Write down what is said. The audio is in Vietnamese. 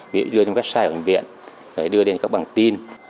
ví dụ như website của bệnh viện đưa lên các bảng tin